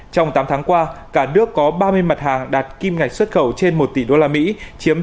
trong tám tháng qua cả nước có ba mươi mặt hàng đạt kim ngạch xuất khẩu trên một tỷ usd chiếm chín mươi một tám tổng kim ngạch xuất khẩu